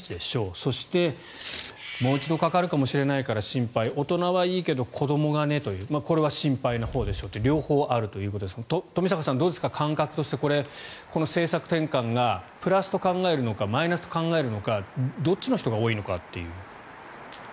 そして、もう一度かかるかもしれないから心配大人はいいけど子どもがねというこれは心配なほうでしょうという両方あるということですが冨坂さん、どうですか感覚としてこの政策転換がプラスと考えるのかマイナスと考えるのかどっちの人が多いのかという。